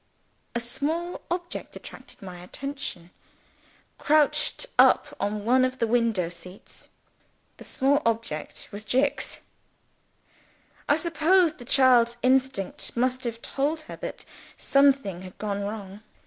A small object attracted my attention, crouched up on one of the window seats. The small object was Jicks. I suppose the child's instinct must have told her that something had gone wrong.